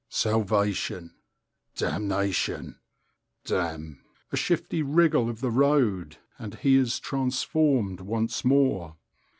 "Salvation, damnation, damn—" A shifty wriggle of the road, and he is transformed once more.